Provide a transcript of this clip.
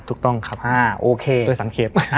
ถูกต้องครับโอเคโดยสังเกต